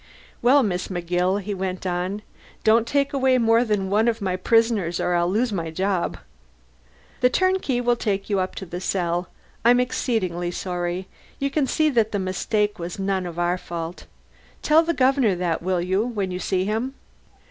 "Well, Miss McGill," he went on, "don't take away more than one of my prisoners or I'll lose my job. The turnkey will take you up to the cell. I'm exceedingly sorry: you can see that the mistake was none of our fault. Tell the Governor that, will you, when you see him?"